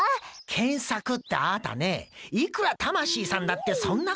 検索ってあたねえいくら魂さんだってそんな事。